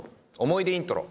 思い出イントロ。